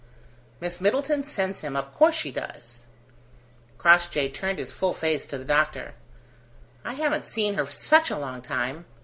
"Miss Middleton sends him; of course she does." Crossjay turned his full face to the doctor. "I haven't seen her for such a long time!